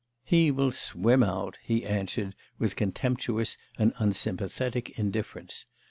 'He will swim out,' he answered with contemptuous and unsympathetic indifference.